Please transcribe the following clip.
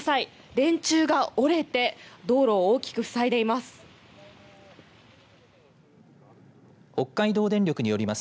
電柱が折れて道路を大きく塞いでいます。